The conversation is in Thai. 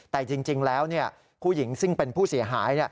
แต่จริงแล้วผู้หญิงซึ่งเป็นผู้เสียหาย